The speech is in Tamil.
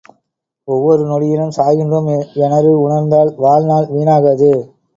ஒவ்வொரு நொடியிலும் சாகின்றோம் எனறு உணர்ந்தால் வாழ்நாள் வீணாகாது.